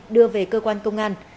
đưa về cơ quan công an